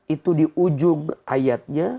itu di ujung ayatnya